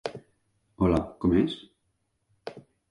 Hola, com és?